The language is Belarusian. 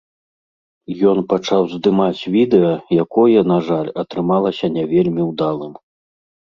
Ён пачаў здымаць відэа, якое, на жаль, атрымалася не вельмі ўдалым.